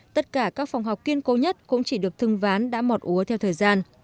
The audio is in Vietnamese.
tất cả các phòng học kiên cố nhất cũng chỉ được thưng ván đã mọt úa theo thời gian